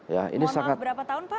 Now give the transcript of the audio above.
mengapa berapa tahun pak